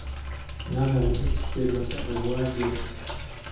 ناهێڵم هیچ شتێک بەسەر ڕێبوار بێت.